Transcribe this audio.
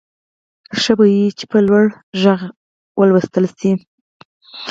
ښه به وي چې په لوړ غږ ولوستل شي.